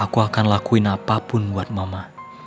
aku akan lakuin apapun buat mama